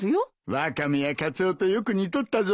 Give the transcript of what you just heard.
ワカメやカツオとよく似とったぞ。